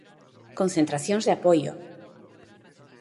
Concentracións de apoio.